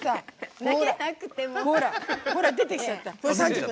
ほら、出てきちゃった。